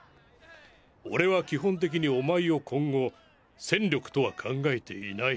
俺は基本的にお前を今後戦力とは考えていない。